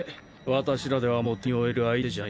私らではもう手に負える相手じゃない。